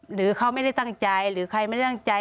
หรือเขาไม่ได้ตั้งใจหรือใครไม่ได้ตั้งใจ